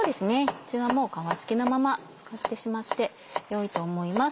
こちらはもう皮付きのまま使ってしまってよいと思います。